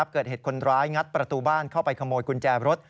เกิดเหตุคนร้ายงัดประตูบ้านเข้าไปขโมยกุญแจรถ